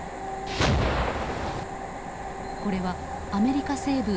これはアメリカ西武